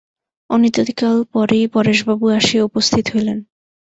অনতিকাল পরেই পরেশবাবু আসিয়া উপস্থিত হইলেন।